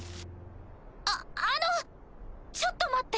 ああのちょっと待って。